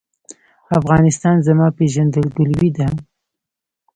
افغانستان زما پیژندګلوي ده؟